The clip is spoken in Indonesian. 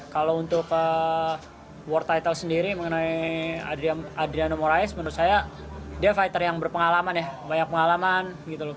kalau untuk world title sendiri mengenai adriano moraes menurut saya dia fighter yang berpengalaman ya banyak pengalaman gitu loh